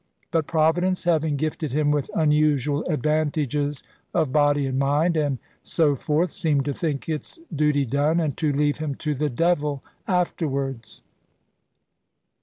But Providence having gifted him with unusual advantages of body, and mind, and so forth, seemed to think its duty done, and to leave him to the devil afterwards.